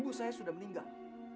ibu saya sudah meninggal